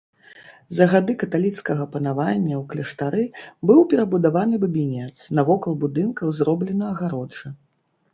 За гады каталіцкага панавання ў кляштары быў перабудаваны бабінец, навокал будынкаў зроблена агароджа.